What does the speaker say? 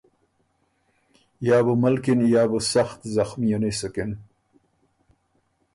یا بو ملکِن یا بُو سخت زخمئنی سُکِن۔